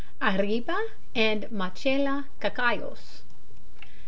_Arriba and Machala Cacaos.